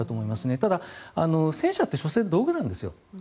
ただ、戦車ってしょせん道具なんですよ。